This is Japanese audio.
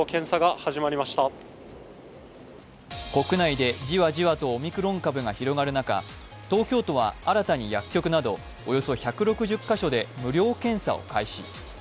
国内でジワジワとオミクロン株が広がる中、東京都は新たに薬局などおよそ１６０カ所で無料検査を開始。